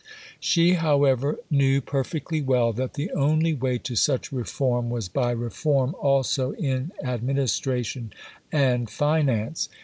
She, however, knew perfectly well that the only way to such reform was by reform also in administration and finance.